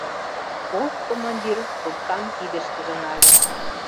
Полк командир трубкам кидышкыже нале.